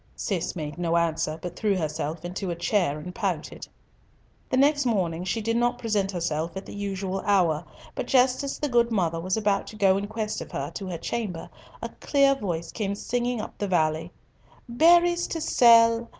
Cis made no answer, but threw herself into a chair and pouted. The next morning she did not present herself at the usual hour; but just as the good mother was about to go in quest of her to her chamber, a clear voice came singing up the valley— "Berries to sell!